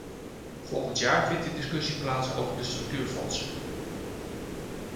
Volgend jaar vindt de discussie plaats over de structuurfondsen.